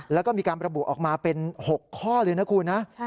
แล้วก็มีการระบุออกมาเป็น๖ข้อเลยนะคุณนะ